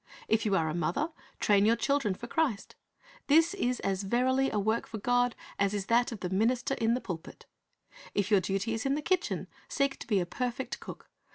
If you are a mother, train your children for Christ. This is as verily a work for God as is that of the minister in the pulpit. If your duty is in the kitchen, seek to be a perfect cook.